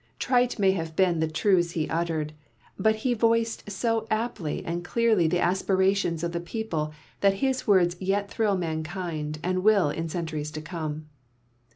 Trite may have Ijeen the truths he uttered, but he voiced so apth" and clearly the aspirations of the people that his words yet thrill mankind and will in centuries to come.